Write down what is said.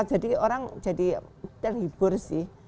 jadi orang jadi terhibur sih